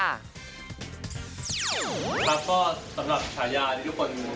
ครับก็สำหรับฉายาที่ทุกคน